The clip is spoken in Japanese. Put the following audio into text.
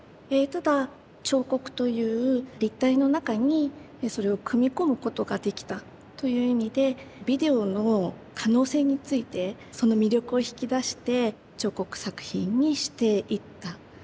えただ彫刻という立体の中にそれを組み込むことができたという意味でビデオの可能性についてその魅力を引き出して彫刻作品にしていった。